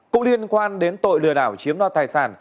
cũng liên quan đến tội lừa đảo chiếm đoạt tài sản